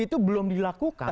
itu belum dilakukan